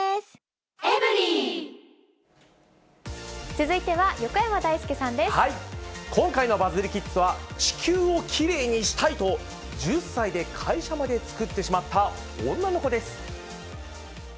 続いては横山だいすけさんで今回のバズりキッズは、地球をきれいにしたい！と、１０歳で会社まで作ってしまった女の子です。